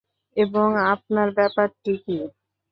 এবং আপনার ব্যাপারটি কী?